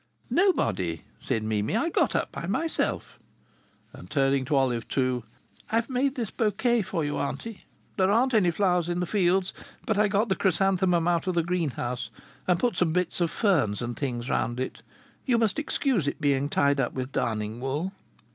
"Nobody," said Mimi; "I got up by myself, and," turning to Olive Two, "I've made this bouquet for you, auntie. There aren't any flowers in the fields. But I got the chrysanthemum out of the greenhouse, and put some bits of ferns and things round it. You must excuse it being tied up with darning wool."